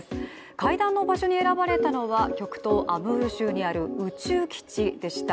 会談の場所に選ばれたのは極東アムール州にある宇宙基地でした。